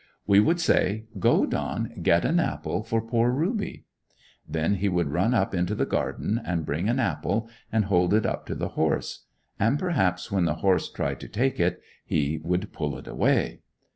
We would say, "Go, Don, get an apple for poor Ruby;" then he would run up into the garden, and bring an apple, and hold it up to the horse; and perhaps when the horse tried to take it he would pull it away.